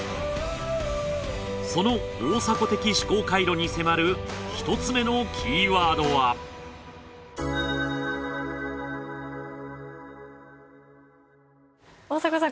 その大迫的思考回路に迫る１つ目のキーワードは大迫さん